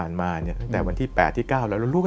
ใช่ค่ะ